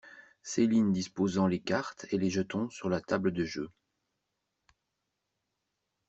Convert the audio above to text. Céline disposant les cartes et les jetons sur la table de jeu.